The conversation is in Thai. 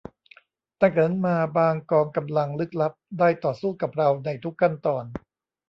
ตั้งแต่นั้นมาบางกองกำลังลึกลับได้ต่อสู้กับเราในทุกขั้นตอน